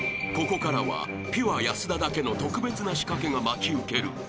［ここからはピュア安田だけの特別な仕掛けが待ち受ける］